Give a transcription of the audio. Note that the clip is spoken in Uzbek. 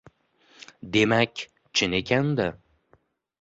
Demak, chin ekan-da.